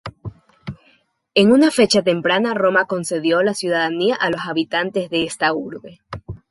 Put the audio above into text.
En una fecha temprana, Roma concedió la ciudadanía a los habitantes de esta urbe.